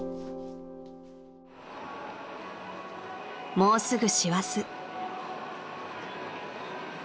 ［もうすぐ師走］